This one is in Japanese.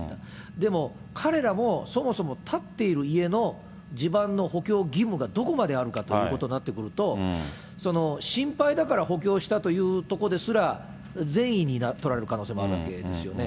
でも彼らも、そもそも建っている家の地盤の補強義務がどこまであるかっていうことになってくると、心配だから補強したというところですら善意に取られる可能性もあるわけですよね。